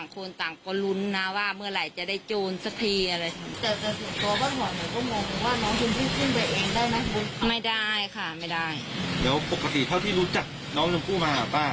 ก็ไปนั้นเพราะว่าถ้าเกิดเราจึงสองสามวานนี้มากกว่าจะได้ก็ลืมค่ะ